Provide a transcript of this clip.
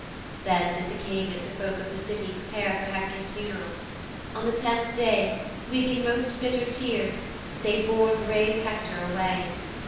"' 'Then did the King and the folk of the City prepare for Hector's funeral. On the tenth day, weeping most bitter tears they bore brave Hector away.